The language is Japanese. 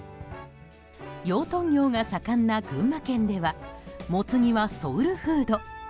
養豚業が盛んな群馬県ではもつ煮はソウルフード。